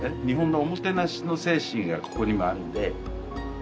日本のおもてなしの精神がここにはあるので。